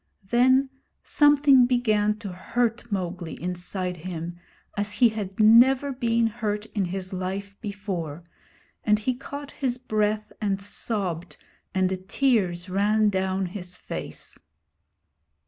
Then something began to hurt Mowgli inside him, as he had never been hurt in his life before, and he caught his breath and sobbed, and the tears ran down his face.